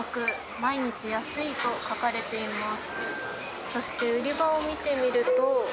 毎日安いと書かれています。